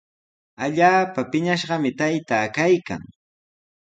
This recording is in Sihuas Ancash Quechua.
Allaapa piñashqami taytaa kaykan.